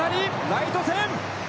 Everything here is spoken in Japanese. ライト線！